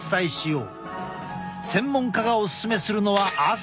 専門家がおすすめするのは朝。